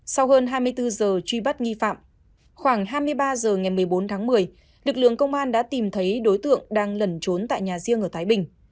sau hơn hai mươi bốn giờ truy bắt nghi phạm khoảng hai mươi ba h ngày một mươi bốn tháng một mươi lực lượng công an đã tìm thấy đối tượng đang lẩn trốn tại nhà riêng ở thái bình